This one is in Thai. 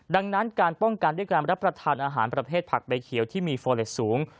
ดังนั้นการป้องกันด้วยการรับประทานอาหารประเภทผักใบเขียวที่มีโฟเลสสูง